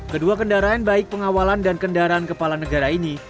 kedua kendaraan baik pengawalan dan kendaraan kepala negara ini